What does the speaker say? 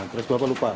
terus bapak lupa